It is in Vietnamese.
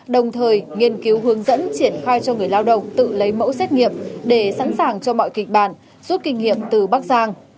đồng thời nghiên cứu hướng dẫn triển khai cho người lao động tự lấy mẫu xét nghiệm để sẵn sàng cho mọi kịch bản rút kinh nghiệm từ bắc giang